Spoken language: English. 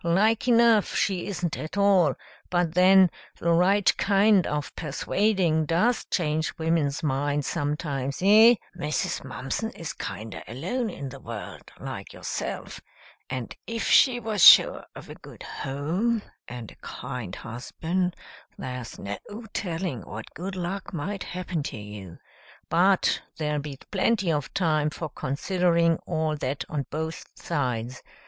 Like enough, she isn't at all, but then, the right kind of persuading does change women's minds sometimes, eh? Mrs. Mumpson is kinder alone in the world, like yourself, and if she was sure of a good home and a kind husband there's no telling what good luck might happen to you. But there'll be plenty of time for considering all that on both sides.